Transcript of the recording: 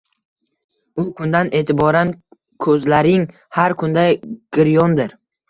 U kundan eʻtiboran koʻzlaring har kunda giryondir